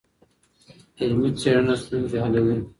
علمي څېړنه ستونزي حلوي.